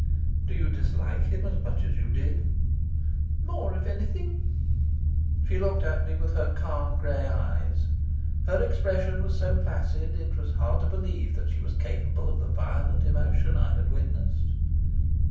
"Do you dislike him as much as you did?" "More, if anything." She looked at me with her calm gray eyes. Her expression was so placid, it was hard to believe that she was capable of the violent emotion I had witnessed.